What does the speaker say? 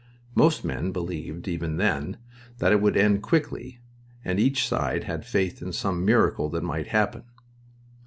Most men believed, even then, that it would end quickly, and each side had faith in some miracle that might happen.